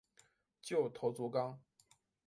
旧头足纲